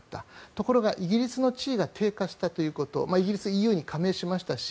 ところがイギリスの地位が低下したということイギリスはＥＵに加盟しましたし